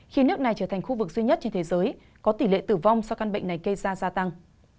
khi nước này trở thành khu vực duy nhất trên thế giới có tỷ lệ tử vong do căn bệnh này gây ra gia tăng